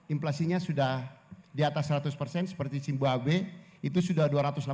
implasinya sudah di atas seratus seperti simbu agbe itu sudah dua ratus delapan puluh